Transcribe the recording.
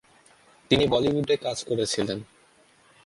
তিনি বলিউডে কাজ করেছিলেন।